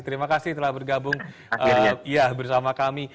terima kasih telah bergabung bersama kami